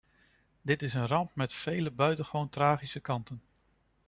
Dit is een ramp met vele buitengewoon tragische kanten.